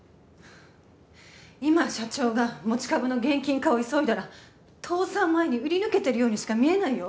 今社長が持ち株の現金化を急いだら倒産前に売り抜けてるようにしか見えないよ